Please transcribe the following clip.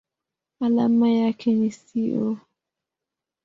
Alama yake ni SiO.